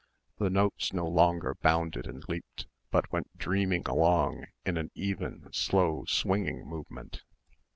The notes no longer bounded and leaped but went dreaming along in an even slow swinging movement.